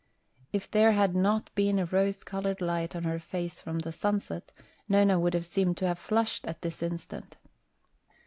If there had not been a rose colored light on her face from the sunset Nona would seem to have flushed at this instant.